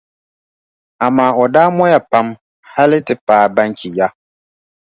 Amaa o daa mɔya pam hali ti paai Banchi ya.